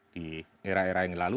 di era era yang lalu